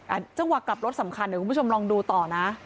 จังหวะกลับรถสำคัญเดี๋ยวคุณผู้ชมลองดูต่อนะ